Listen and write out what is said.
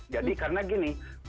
jadi karena gini